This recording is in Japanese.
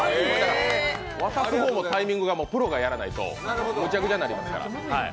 渡すタイミングはプロがやらないとむちゃくちゃになりますから。